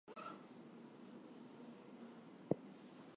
Born in Independence, Louisiana, he was adopted and raised as an only child.